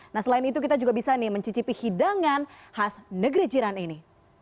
nah selain itu kita juga bisa nih mencicipi hidangan khas negeri jiran ini